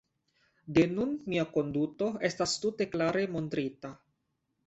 De nun mia konduto estas tute klare montrita.